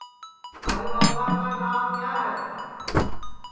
تھارے ٻاپا کا نانٚو کِیا ہے